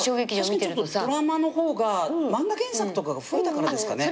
確かにドラマの方が漫画原作とかが増えたからですかね？